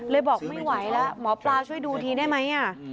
บอกไม่ไหวแล้วหมอปลาช่วยดูทีได้ไหม